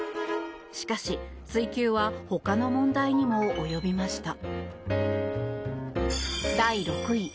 しかし、追及はほかの問題にも及びました。